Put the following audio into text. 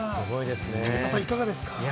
武田さん、いかがですか？